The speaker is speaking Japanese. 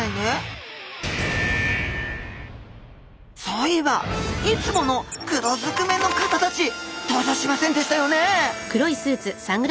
そういえばいつもの黒ずくめの方たち登場しませんでしたよね